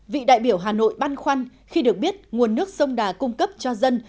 vị đại biểu hà nội băn khoăn khi được biết nguồn nước sông đà cung cấp cho dân